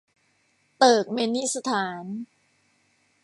เติร์กเมนิสถาน